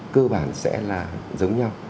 cơ bản sẽ là giống nhau